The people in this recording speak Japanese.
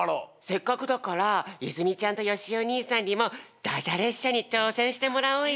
せっかくだから泉ちゃんとよしお兄さんにもダジャ列車に挑戦してもらおうよ！